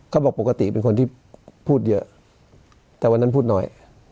ปกติเป็นคนที่พูดเยอะแต่วันนั้นพูดหน่อย